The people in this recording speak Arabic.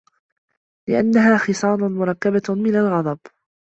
لِأَنَّهَا خِصَالٌ مُرَكَّبَةٌ مِنْ الْغَضَبِ